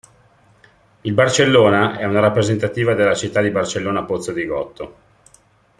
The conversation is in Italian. Il Barcellona è una rappresentativa della città di Barcellona Pozzo di Gotto.